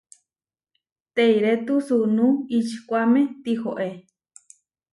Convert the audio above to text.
Teirétu sunú ičikuáme tihoé.